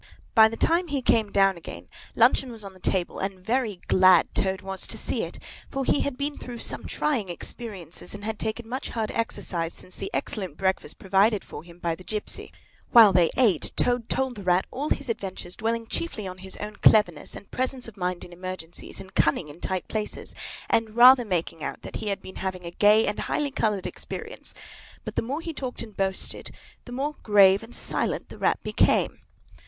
By the time he came down again luncheon was on the table, and very glad Toad was to see it, for he had been through some trying experiences and had taken much hard exercise since the excellent breakfast provided for him by the gipsy. While they ate Toad told the Rat all his adventures, dwelling chiefly on his own cleverness, and presence of mind in emergencies, and cunning in tight places; and rather making out that he had been having a gay and highly coloured experience. But the more he talked and boasted, the more grave and silent the Rat became.